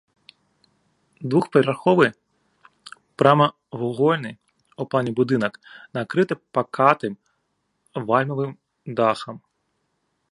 Двухпавярховы прамавугольны ў плане будынак накрыты пакатым вальмавым дахам.